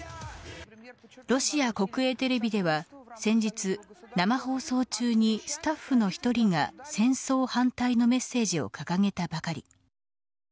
ロシア国営テレビでは、先日生放送中にスタッフの１人が戦争反対のメッセージを掲げたばかり。